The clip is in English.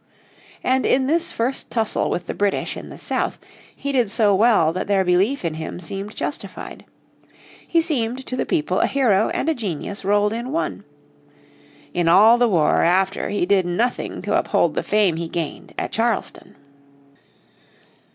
And in this first tussle with the British in the south he did so well that their belief in him seemed justified. He seemed to the people a hero and a genius rolled in one. In all the war after he did nothing to uphold the fame he gained at Charleston.